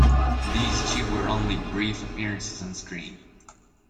These two were only brief appearances on screen.